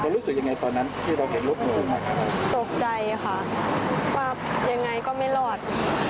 รู้สึกยังไงตอนนั้นที่เราเห็นรถเลยตกใจค่ะว่ายังไงก็ไม่รอด